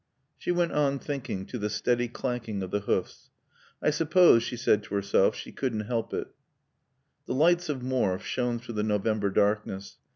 She went on, thinking, to the steady clanking of the hoofs. "I suppose," she said to herself, "she couldn't help it." The lights of Morfe shone through the November darkness.